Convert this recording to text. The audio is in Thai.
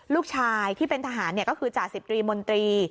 ลูกชายที่เป็นทหารก็คือจ่าสิบตรีมนตรี